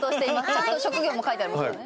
ちゃんと職業も書いてありますね